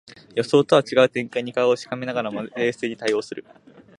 予想とは違う展開に顔をしかめながらも冷静に対応する